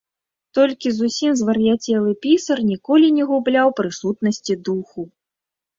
Толькі зусім звар'яцелы пісар ніколькі не губляў прысутнасці духу.